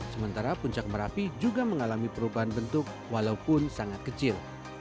sementara puncak merapi juga mengalami perubahan bentuk walaupun sangat kecil